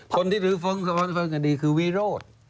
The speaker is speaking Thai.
คนที่รู้สภาพธนภาพธนภาพคดีคือวีโร่